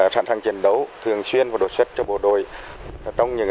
sẵn sàng chiến đấu thường xuyên và đột xuất cho bộ đội